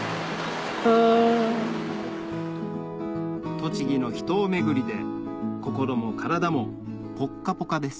栃木の秘湯巡りで心も体もポッカポカです